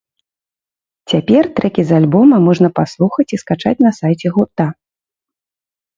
Цяпер трэкі з альбома можна паслухаць і скачаць на сайце гурта.